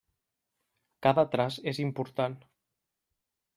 Cada traç és important.